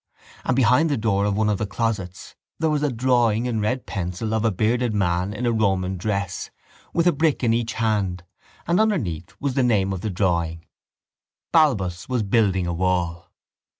And behind the door of one of the closets there was a drawing in red pencil of a bearded man in a Roman dress with a brick in each hand and underneath was the name of the drawing: _Balbus was building a wall.